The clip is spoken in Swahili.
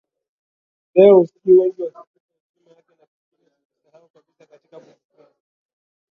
Leo husikii wengi wakikipa heshima yake na pengine kukisahau kabisa katika kumbukumbu